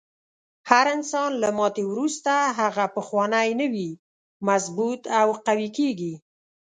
هر انسان له ماتې وروسته هغه پخوانی نه وي، مضبوط او قوي کیږي.